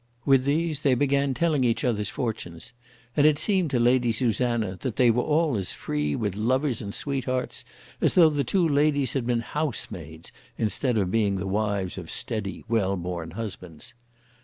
With these they began telling each other's fortunes, and it seemed to Lady Susanna that they were all as free with lovers and sweethearts as though the two ladies had been housemaids instead of being the wives of steady, well born husbands.